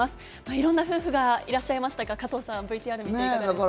いろんな夫婦がいらっしゃいましたが、加藤さん、ＶＴＲを見ていかがですか？